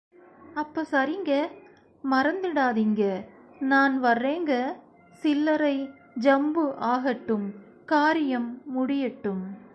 அப்ப சரிங்க, மறந்திடாதிங்க நான் வர்ரேங்க, சில்லரை... ஜம்பு ஆகட்டும் காரியம் முடியட்டும்.